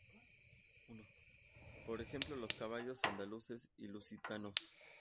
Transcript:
Por ejemplo los caballos andaluces y lusitanos.